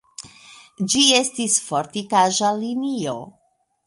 Ĝi estis fortikaĵa linio.